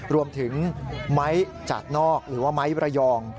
รวมถึงไม้จากนอกหรือว่าไม้ระยอง